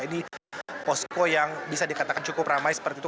ini posko yang bisa dikatakan cukup ramai seperti itu